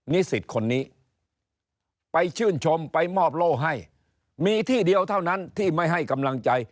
นิสิตคนนี้ไปชื่นชมไปมอบโล่ให้มีที่เดียวเท่านั้นที่ไม่ให้กำลังใจ